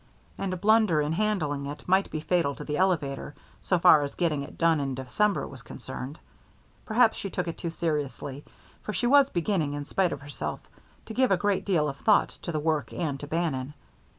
And a blunder in handling it might be fatal to the elevator, so far as getting it done in December was concerned. Perhaps she took it too seriously; for she was beginning, in spite of herself, to give a great deal of thought to the work and to Bannon.